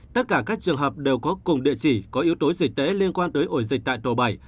tất cả các trường hợp đều có cùng địa chỉ có yếu tố dịch tễ liên quan tới ổ dịch tại tổ bảy